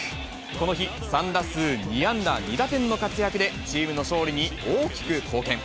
この日３打数２安打２打点の活躍で、チームの勝利に大きく貢献。